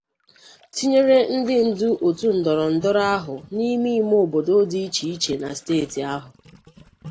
tinyere ndị ndu otu ndọrọndọrọ ahụ n'ime-ime obodo dị icheiche na steeti ahụ.